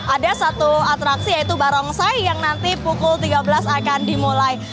ada satu atraksi yaitu barongsai yang nanti pukul tiga belas akan dimulai